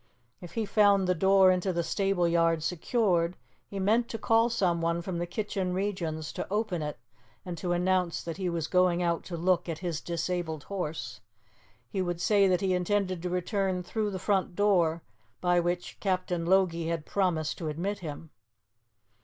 If he found the door into the stable yard secured he meant to call someone from the kitchen regions to open it and to announce that he was going out to look at his disabled horse. He would say that he intended to return through the front door, by which Captain Logie had promised to admit him.